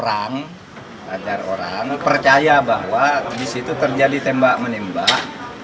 agar orang percaya bahwa disitu terjadi tembak menembak